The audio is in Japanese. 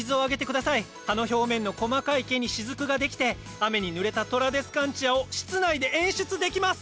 葉の表面の細かい毛に滴が出来て雨にぬれたトラデスカンチアを室内で演出できます！